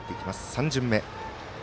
３巡目。